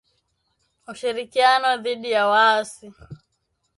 Ushirikiano dhidi ya waasi